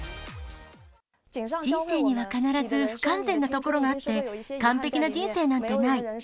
人生には必ず不完全なところがあって、完璧な人生なんてない。